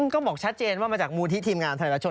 ก็บอกชัดเจนว่ามาจากมูลที่ทีมงานไทยรัฐชน